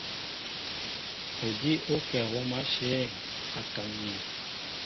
Odíw ó kɛ̌ hǒm ashɛ̌ŋ a kaŋ̀in.